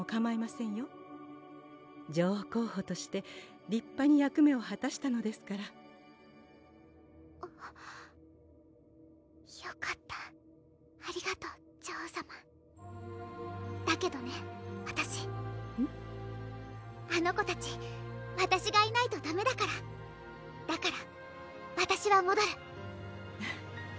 女王候補として立派に役目をはたしたのですからよかったありがとう女王さまだけどねわたしあの子たちわたしがいないとダメだからだからわたしはもどる！